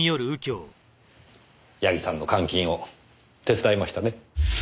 矢木さんの監禁を手伝いましたね？